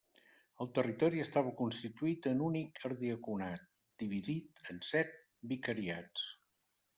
El territori estava constituït en únic ardiaconat, dividit en set vicariats.